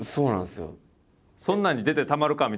「そんなんに出てたまるか」みたいな？